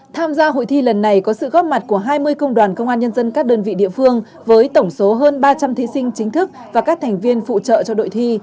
tham gia hội thi lần này có sự góp mặt của hai mươi công đoàn công an nhân dân các đơn vị địa phương với tổng số hơn ba trăm linh thí sinh chính thức và các thành viên phụ trợ cho đội thi